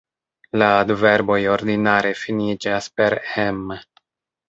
La adverboj ordinare finiĝas per -em.